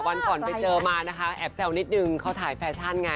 วันก่อนไปเจอมานะคะแอบแซวนิดนึงเขาถ่ายแฟชั่นไง